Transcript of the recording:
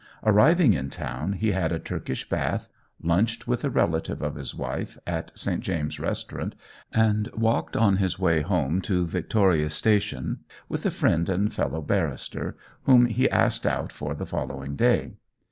Arriving in town, he had a Turkish bath, lunched with a relative of his wife at St. James's Restaurant, and walked on his way home to Victoria Station with a friend and fellow barrister, whom he asked out for the following day.